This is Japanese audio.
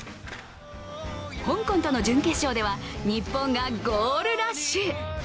香港との準決勝では日本がゴールラッシュ。